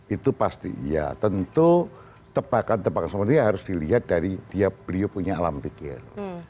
itu pasti ya tentu tepakan tepakan sementara itu harus dilihat dari beliau punya alam pikir